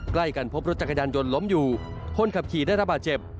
ใกล้กันพบรถจักรยานยนต์ล้มอยู่คนขับขี่ได้ระบาดเจ็บ